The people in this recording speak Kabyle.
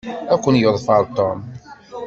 Ad ken-yeḍfer Tom.